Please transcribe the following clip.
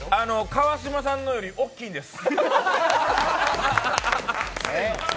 川島さんのより大きいんです。